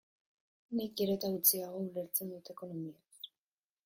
Nik gero eta gutxiago ulertzen dut ekonomiaz.